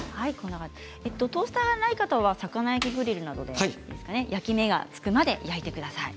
トースターがない方は魚焼きグリルなどで焼き目がつくまで焼いてください。